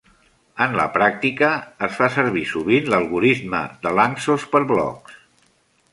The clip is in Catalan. En la pràctica, es fa servir sovint l'algoritme de Lanczos per blocs.